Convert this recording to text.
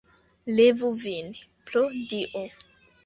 Levu vin, pro Dio!